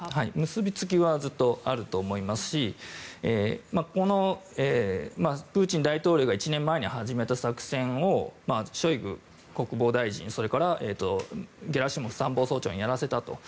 結びつきはずっとあると思いますしプーチン大統領が１年前に始めた作戦をショイグ国防大臣ゲラシモフ参謀総長にやらせたと。